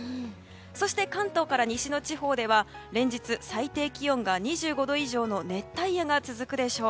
そして関東から西の地方では連日最低気温が２５度以上の熱帯夜が続くでしょう。